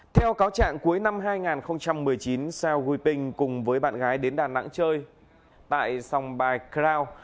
theo cáo trạng cuối năm hai nghìn một mươi chín sao huy tinh cùng với bạn gái đến đà nẵng chơi tại sòng bài crown